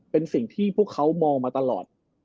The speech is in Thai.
เป็นสิ่งที่พวกเขามองมาตลอด